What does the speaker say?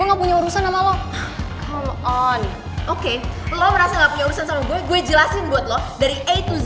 omg kejar bos lagi